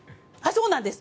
そうなんです。